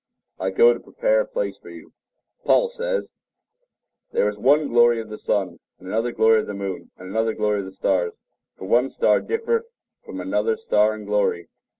I go to prepare a place for you" (John 14:2). Paul says, "There is one glory of the sun, and another glory of the moon, and another glory of the stars; for one star differeth from another star in glory.